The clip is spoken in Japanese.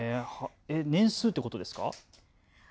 年数ってことですか？